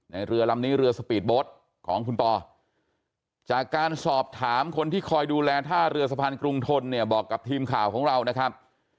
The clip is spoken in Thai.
เรือลำนี้เรือสปีดโบ๊ทของคุณปอจากการสอบถามคนที่คอยดูแลท่าเรือสะพานกรุงทนเนี่ยบอกกับทีมข่าวของเรานะครับ